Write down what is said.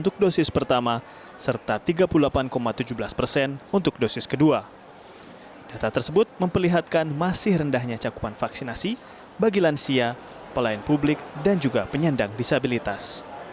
data tersebut memperlihatkan masih rendahnya cakupan vaksinasi bagi lansia pelayan publik dan juga penyandang disabilitas